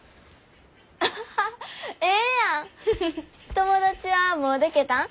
友達はもうでけたん？